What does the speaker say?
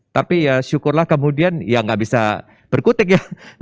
tapi ya syukurlah kemudian ya nggak bisa berkutik ya